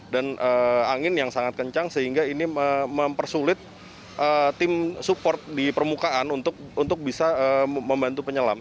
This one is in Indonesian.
dan angin yang sangat kencang sehingga ini mempersulit tim support di permukaan untuk bisa membantu penyelam